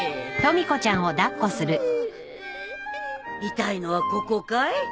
痛いのはここかい？